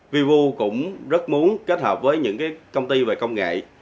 vivu cũng rất muốn kết hợp với những công ty về công nghệ